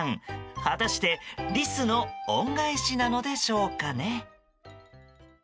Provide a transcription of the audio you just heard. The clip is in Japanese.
果たしてリスの恩返しなのでしょうかね。